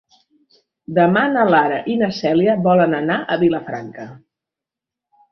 Demà na Lara i na Cèlia volen anar a Vilafranca.